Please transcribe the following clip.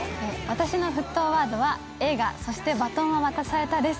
私の沸騰ワードは映画『そして、バトンは渡された』です。